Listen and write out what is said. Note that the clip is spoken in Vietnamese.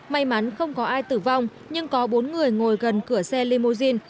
may mắn không có ai tử vong nhưng có bốn người ngồi gần cửa xe limousine